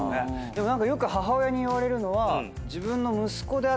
でもよく母親に言われるのは。